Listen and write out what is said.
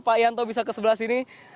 pak yanto bisa ke sebelah sini